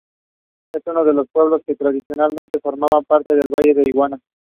The third episode of "Tiger King" covered multiple theories surrounding the disappearance.